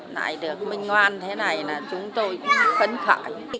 nãy được minh oan thế này là chúng tôi khấn khởi